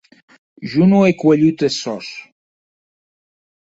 Jo non è cuelhut es sòs!